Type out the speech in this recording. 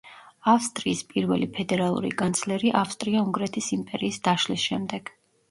ავსტრიის პირველი ფედერალური კანცლერი ავსტრია-უნგრეთის იმპერიის დაშლის შემდეგ.